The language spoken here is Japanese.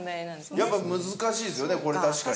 やっぱ難しいですよねこれ確かに。